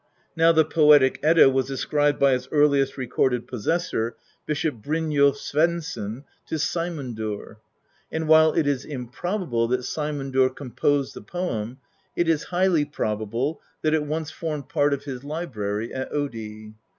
Now the Poetic Edda was ascribed by its earliest recorded pos sessor. Bishop Brynjolf Sveinsson, to Saemundr; and while it is improbable that Saemundr composed the poem, it is highly probable that it once formed part of his library at Oddi.